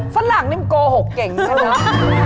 ฝั่งหลังนิ้มโกหกเก่งใช่ไหม